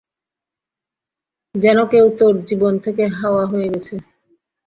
যেন কেউ তোর জীবন থেকে হাওয়া হয়ে গেছে।